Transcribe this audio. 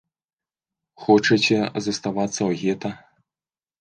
Хочаце заставацца ў гета?